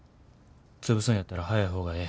潰すんやったら早い方がええ。